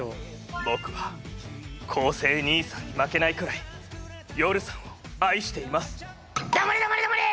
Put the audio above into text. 僕は昴生兄さんに負けないくらいヨルさんを愛しています黙れ黙れ黙れ！